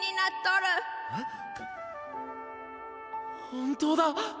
本当だ！